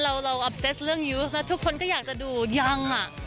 เราคิดเรื่องยูสแล้วทุกคนก็อยากจะดูยัง